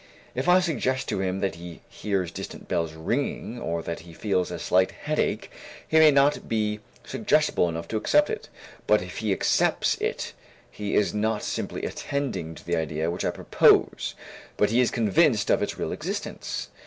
If I suggest to him that he hears distant bells ringing or that he feels a slight headache, he may not be suggestible enough to accept it, but if he accepts it he is not simply attending to the idea which I propose but he is convinced of its real existence.